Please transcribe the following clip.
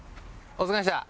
お疲れした！